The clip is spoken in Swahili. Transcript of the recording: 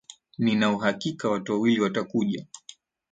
Nina uhakika watu wawili watakuja